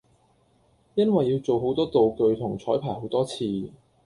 因為要做好多道具同彩排好多次